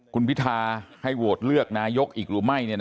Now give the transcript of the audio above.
คุณพิทาให้โหวตเลือกนายกอีกหรือไม่